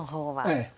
ええ。